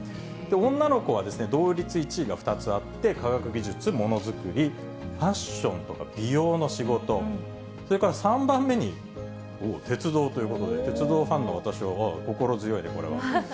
女の子は同率１位が２つあって、科学技術・ものづくり、ファッションとか美容の仕事、それから３番目に鉄道ということで、鉄道ファンの私は心強いね、これは。